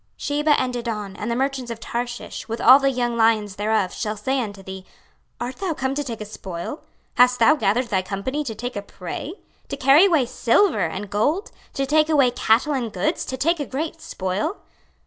26:038:013 Sheba, and Dedan, and the merchants of Tarshish, with all the young lions thereof, shall say unto thee, Art thou come to take a spoil? hast thou gathered thy company to take a prey? to carry away silver and gold, to take away cattle and goods, to take a great spoil?